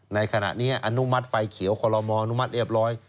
ในขณะนี้อนุมัติไฟเขียวคอลโลมออนุมัติเรียบร้อย